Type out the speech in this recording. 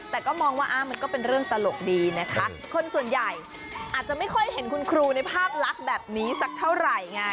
แต่ก็มองว่ามันก็เป็นเรื่องตลกดีนะคะคนส่วนใหญ่อาจจะไม่ค่อยเห็นคุณครูในภาพลักษณ์แบบนี้สักเท่าไหร่ไง